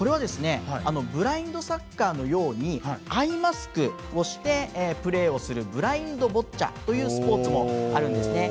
ブラインドサッカーのようにアイマスクをしてプレーをするブラインドボッチャというスポーツもあるんですね。